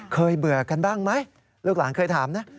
เบื่อกันบ้างไหมลูกหลานเคยถามนะ